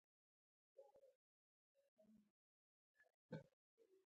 په فېسبوک کې خلک د خپلو فکرونو څرګندولو ته لیوال وي